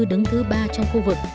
đứng thứ ba trong khu vực